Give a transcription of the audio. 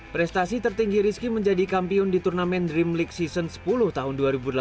prestasi tertinggi rizki menjadi kampion di turnamen dream league season sepuluh tahun dua ribu delapan belas